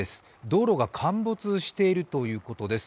道路が陥没しているということです。